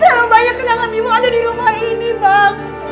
terlalu banyak kenangan bimo ada di rumah ini bang